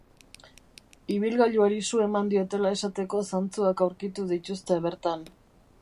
Ibilgailuari su eman diotela esateko zantzuak aurkitu dituzte bertan.